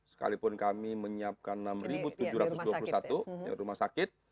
sekalipun kami menyiapkan enam tujuh ratus dua puluh satu rumah sakit